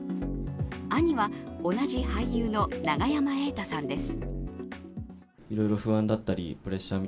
兄は同じ俳優の永山瑛太さんです。